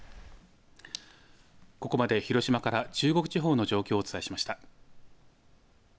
ここまで広島から中国地方の状況をお伝えしました。